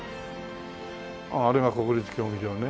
あれが国立競技場ね。